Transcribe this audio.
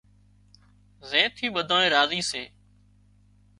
زين ٿي ٻڌانئين راضي سي